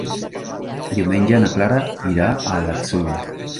Diumenge na Clara irà a l'Atzúbia.